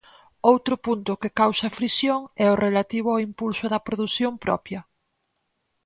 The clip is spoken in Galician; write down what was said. Outro punto que causa fricción é o relativo ao "impulso da produción propia".